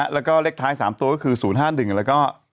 แล้วก็เลขท้าย๓ตัวก็คือ๐๕๑แล้วก็